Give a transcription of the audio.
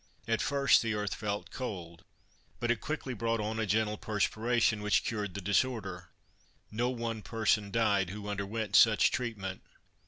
At first the earth felt cold, but it quickly brought on a gentle perspiration, which cured the disorder. No one person died who underwent such treatment.